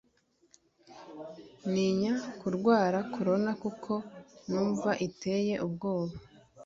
Ninya kurwara corona kuko numva iteye ubwoba